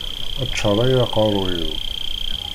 Ččaṛ ay aqeṛṛuy-iw!